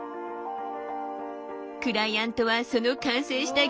クライアントはその完成した原画に大興奮。